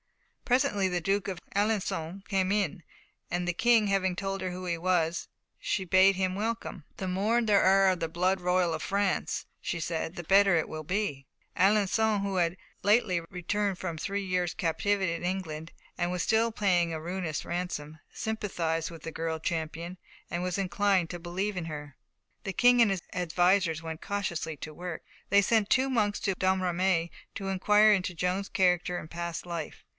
Presently the Duke of Alençon came in, and the King having told her who he was, she bade him welcome. "The more there are of the blood royal of France," she said, "the better it will be." Alençon, who had lately returned from a three years' captivity in England, and was still paying a ruinous ransom, sympathised with the girl champion, and was inclined to believe in her. The King and his advisers went cautiously to work. They sent two monks to Domremy to inquire into Joan's character and past life.